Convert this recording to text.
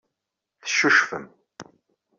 Teccucfem.